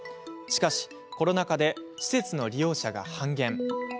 しかし、コロナ禍で施設の利用者が半減。